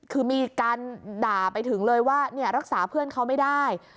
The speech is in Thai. คือมีการด่าไปถึงเลยว่ารักษาเพื่อนเขาไม่ได้